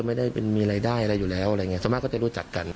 ไม่ได้เป็นมีรายได้อะไรอยู่แล้วอะไรอย่างเงี้ส่วนมากก็จะรู้จักกัน